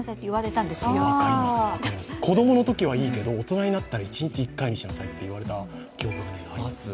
子供のときはいいけど、大人になったら一日１回にしなさいと言われた記憶があります。